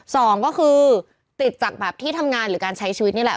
สองก็คือติดจากแบบที่ทำงานหรือการใช้ชีวิตนี่แหละ